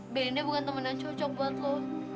belinda bukan temen yang cocok buat lo